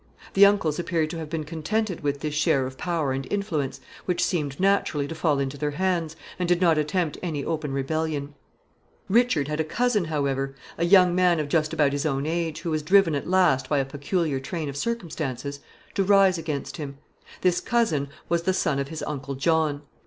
The uncles appear to have been contented with this share of power and influence, which seemed naturally to fall into their hands, and did not attempt any open rebellion. [Sidenote: His cousin Henry.] Richard had a cousin, however, a young man of just about his own age, who was driven at last, by a peculiar train of circumstances, to rise against him. This cousin was the son of his uncle John.